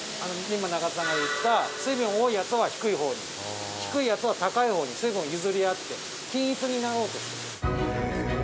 今、中田さんが言った水分が多いやつは低いほうに低いやつは高いほうに水分を譲り合って均一になろうとする。